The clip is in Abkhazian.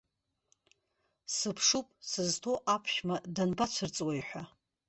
Сыԥшуп, сызҭоу аԥшәма данбацәырҵуеи ҳәа.